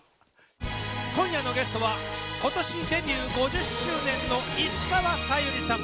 今夜のゲストは今年デビュー５０周年の石川さゆりさん。